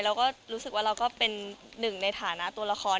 เราก็รู้สึกว่าเราก็เป็นหนึ่งในฐานะตัวละคร